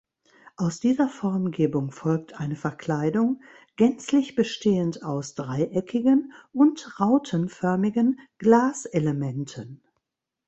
Aus dieser Formgebung folgt eine Verkleidung gänzlich bestehend aus dreieckigen und rautenförmigen Glaselementen.